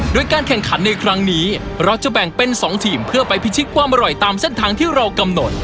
โดยการแข่งขันในครั้งนี้เราจะแบ่งเป็น๒ทีมเพื่อไปพิชิตความอร่อยตามเส้นทางที่เรากำหนด